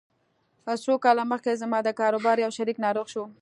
څو کاله مخکې زما د کاروبار يو شريک ناروغ شو.